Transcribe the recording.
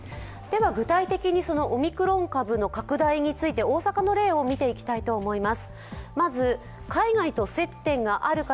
具体的にオミクロン株の拡大について大阪の例を見ていきたいと思います。